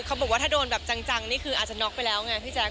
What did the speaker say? เขาบอกว่าถ้าโดนแบบจังนี่คืออาจจะน็อกไปแล้วไงพี่แจ๊